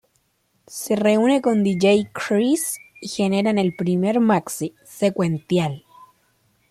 Se reúne con Dj Criss y generan el primer maxi, "Sequential".